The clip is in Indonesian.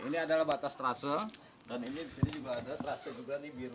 ini adalah batas rase dan ini disini juga ada rase juga ini biru